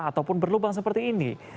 ataupun berlubang seperti ini